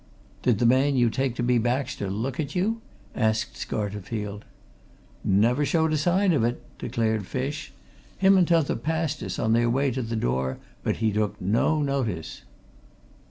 "Did the man you take to be Baxter look at you?" asked Scarterfield. "Never showed a sign of it!" declared Fish. "Him and t'other passed us on their way to the door, but he took no notice."